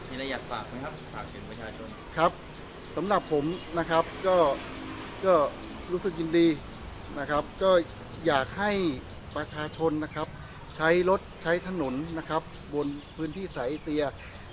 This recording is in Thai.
มีอะไรอยากฝากไหมครับฝากถึงประชาชนครับสำหรับผมนะครับก็รู้สึกยินดีนะครับก็อยากให้ประชาชนนะครับใช้รถใช้ถนนนะครับบนพื้นที่สายเตีย